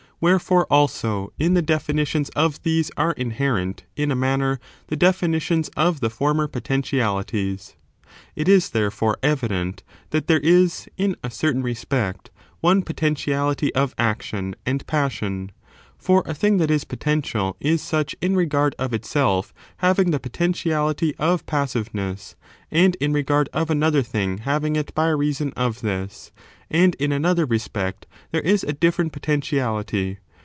Wherefore, also, in the definitions of these are inherent, in a manner, the definitions of the former potentialities. It is, therefore, evident that there is, in a s. inferences certain respect, one potentiality of action and SfJTILir*™ passion, — for a tiLng^that is potential is such m tion of poten regard of itself having the potentiality of passive "'*®* ness, and in regard of another thing having it by reason of this, — and, in another respect, there is a different potenti ality.